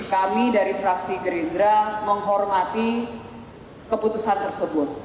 kami dari fraksi gerindra menghormati keputusan tersebut